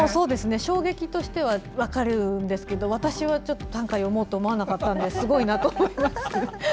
衝撃としては分かるんですが私は短歌を詠もうと思わなかったのですごいと思います。